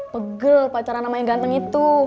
pegel pacaran sama yang ganteng itu